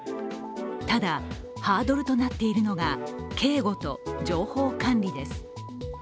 ただハードルとなっているのが警護と情報管理です。